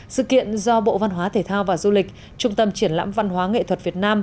sự kiện do bộ văn hóa thể thao và du lịch trung tâm triển lãm văn hóa nghệ thuật việt nam